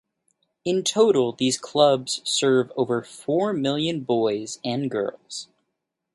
In total these clubs serve over four million boys and girls.